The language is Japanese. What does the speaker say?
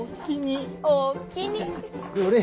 どれ？